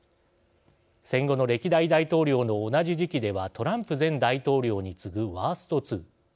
戦後の歴代大統領の同じ時期ではトランプ前大統領に次ぐワースト２。